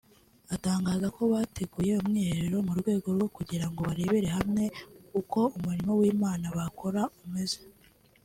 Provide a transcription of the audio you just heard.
Atangaza ko bateguye umwiherero mu rwego rwo kugira ngo barebere hamwe uko umurimo w’Imana bakora umeze